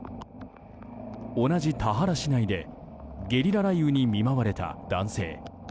同じ田原市内でゲリラ雷雨に見舞われた男性。